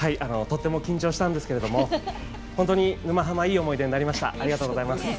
とっても緊張したんですけれども本当に「沼ハマ」いい思い出になりました。